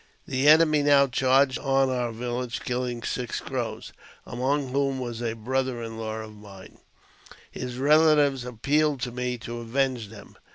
The enemy now charged upon our village, kiUing six Crow8,;| among whom was a brother in law of mine. His relatives appealed to me to avenge them.